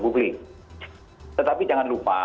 publik tetapi jangan lupa